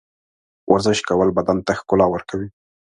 ورزش کول بدن ته ښکلا ورکوي.